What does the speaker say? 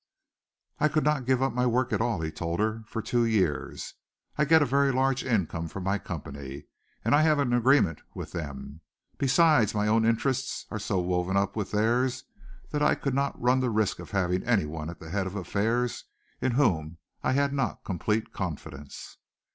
"I could not give up my work at all," he told her, "for two years. I get a very large income from my company, and I have an agreement with them. Besides, my own interests are so woven up with theirs that I could not run the risk of having anyone at the head of affairs in whom I had not complete confidence."